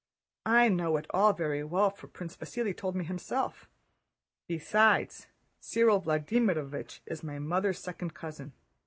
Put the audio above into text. I know it all very well for Prince Vasíli told me himself. Besides, Cyril Vladímirovich is my mother's second cousin.